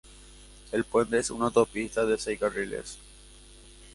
El puente es una autopista de seis carriles.